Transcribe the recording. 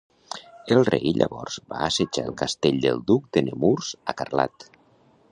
El rei llavors va assetjar el castell del duc de Nemours a Carlat.